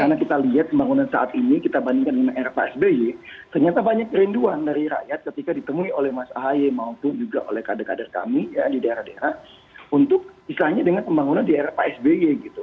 karena kita lihat pembangunan saat ini kita bandingkan dengan rpa sby ternyata banyak rinduan dari rakyat ketika ditemui oleh mas ahaye maupun juga oleh kader kader kami di daerah daerah untuk misalnya dengan pembangunan di rpa sby gitu